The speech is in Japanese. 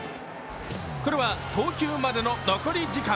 これは投球までの残り時間。